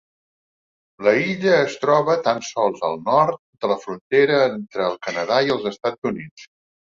La illa es troba tan sols al nord de la frontera entre el Canadà i els Estats Units.